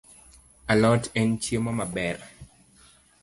Alot en chiemo maber